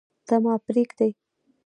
ته، ما پریږدې